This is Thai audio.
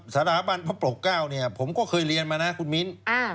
สถาบันพระปกเก้าเนี่ยผมก็เคยเรียนมานะคุณมิ้น